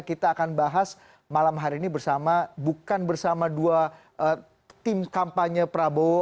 kita akan bahas malam hari ini bersama bukan bersama dua tim kampanye prabowo